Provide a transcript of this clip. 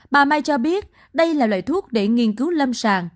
bà may cho biết đây là loại thuốc để nghiên cứu lâm sàng